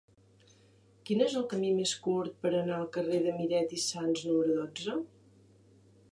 Quin és el camí més curt per anar al carrer de Miret i Sans número dotze?